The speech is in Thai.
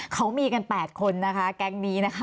เขามีกัน๘คนนะคะแก๊งนี้นะคะ